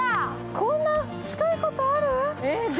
こんな近いことある！？